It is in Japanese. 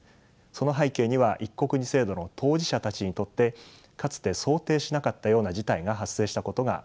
その背景には「一国二制度」の当事者たちにとってかつて想定しなかったような事態が発生したことがあります。